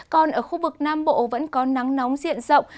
còn ở khu vực nam bộ vẫn có nắng nóng diện rộng